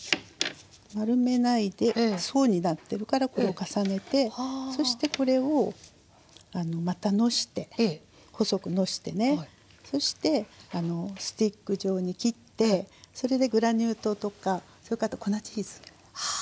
丸めないで層になってるからこれを重ねてそしてこれをまたのして細くのしてねそしてスティック状に切ってそれでグラニュー糖とかそれからあと粉チーズおいしいんですよね。